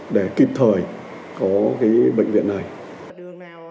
để kịp thời có cái bệnh viện này